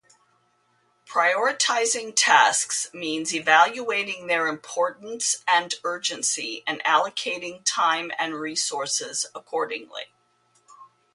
Prioritizing tasks means evaluating their importance and urgency and allocating time and resources accordingly.